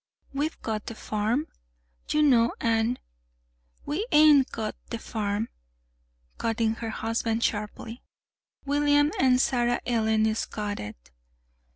We've got the farm, you know; an' " "We hain't got the farm," cut in her husband sharply. "William an' Sarah Ellen's got it."